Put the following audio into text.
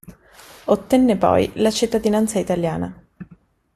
Ottenne poi la cittadinanza italiana.